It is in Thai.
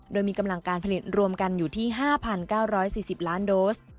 โดยมีกำลังการผลิตรวมกันอยู่ที่๕๙๔๐ล้านโดส